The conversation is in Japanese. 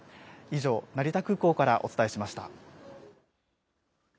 以上、成田空港からお伝えしました。